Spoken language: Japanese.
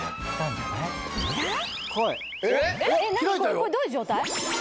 これどういう状態？